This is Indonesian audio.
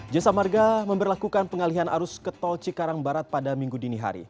jasa marga memperlakukan pengalihan arus ke tol cikarang barat pada minggu dini hari